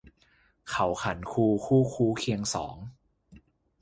เขาขันคูคู่คู้ เคียงสอง